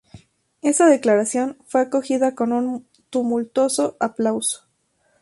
Esta declaración fue acogida con un tumultuoso aplauso.